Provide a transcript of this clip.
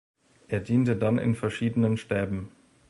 Er diente dann in verschiedenen Stäben.